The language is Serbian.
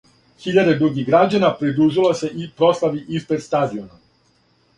Хиљаде других грађана придружило се прослави испред стадиона.